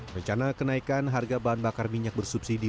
rencana kenaikan harga bahan bakar minyak bersubsidi